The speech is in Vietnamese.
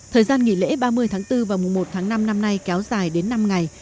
thời gian nghỉ lễ ba mươi tháng bốn và mùa một tháng năm năm nay kéo dài đến năm ngày